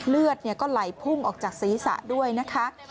เลือดก็ไหลพุ่งออกจากศีรษะด้วยนะคะ